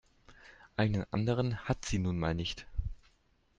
Einen anderen hat sie nun mal nicht.